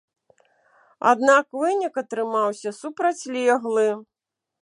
Аднак вынік атрымаўся супрацьлеглы.